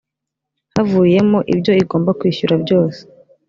havuyemo ibyo igomba kwishyura byose